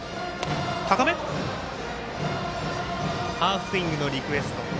ハーフスイングのリクエスト。